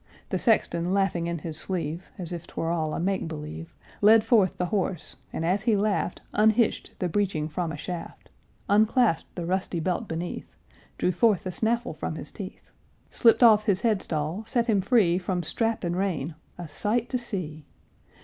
The sexton laughing in his sleeve, As if 't were all a make believe, Led forth the horse, and as he laughed Unhitched the breeching from a shaft, Unclasped the rusty belt beneath, Drew forth the snaffle from his teeth, Slipped off his head stall, set him free From strap and rein, a sight to see!